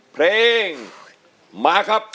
เพลงมาครับ